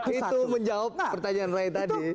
itu menjawab pertanyaan rai tadi